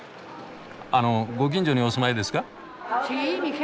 あのご近所にお住まいですか？